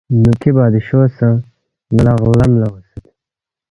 نُوبکھی بادشونگ سہ ن٘ا لہ لغم لہ اونگسید